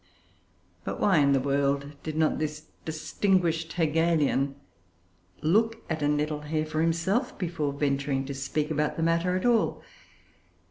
But why in the world did not this distinguished Hegelian look at a nettle hair for himself, before venturing to speak about the matter at all?